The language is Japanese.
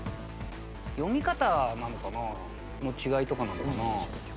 読み方なのかな？の違いとかなのかな？